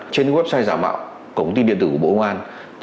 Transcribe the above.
trên website giả mạo cổng tin điện tử của bộ công an